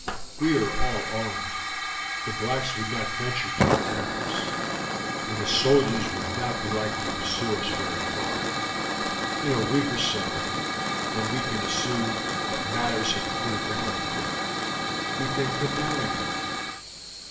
We are all armed, the blacks would not venture to attack us, and the soldiers would not be likely to pursue us very far. In a week or so, when we can assume that matters have cooled down a bit, we can come down again.